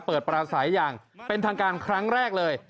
ปราศัยอย่างเป็นทางการครั้งแรกเลย